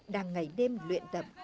đang ngày đêm luyện tập